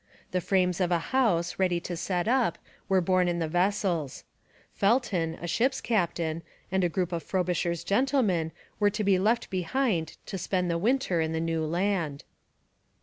The frames of a house, ready to set up, were borne in the vessels. Felton, a ship's captain, and a group of Frobisher's gentlemen were to be left behind to spend the winter in the new land.